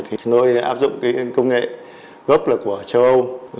thì nơi áp dụng công nghệ gốc là của châu âu